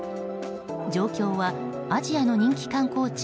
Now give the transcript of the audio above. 状況は、アジアの人気観光地